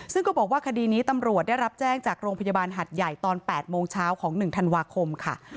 ซึ่งก็บอกว่าคดีนี้ตำรวจได้รับแจ้งจากโรงพยาบาลหัดใหญ่ตอน๘โมงเช้าของ๑ธันวาคมค่ะ